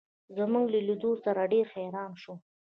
زموږ له لیدو سره ډېر حیران شو.